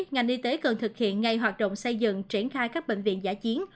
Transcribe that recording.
ngành y tế cần thực hiện ngay hoạt động xây dựng triển khai các bệnh viện giả chiến